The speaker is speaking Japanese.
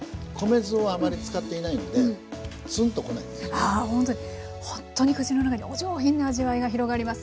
あほんとにほんとに口の中にお上品な味わいが広がります。